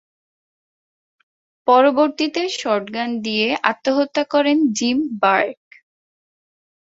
পরবর্তীতে শটগান দিয়ে আত্মহত্যা করেন জিম বার্ক।